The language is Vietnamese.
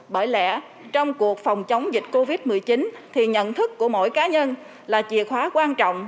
bởi lẽ trong cuộc phòng chống dịch covid một mươi chín thì nhận thức của mỗi cá nhân là chìa khóa quan trọng